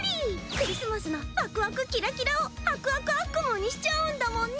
クリスマスのワクワクキラキラをあくあくあっくむーにしちゃうんだもんね！